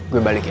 gue balik ya